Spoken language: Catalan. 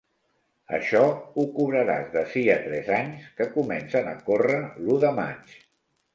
Això, ho cobraràs d'ací a tres anys, que comencen a córrer l'u de maig.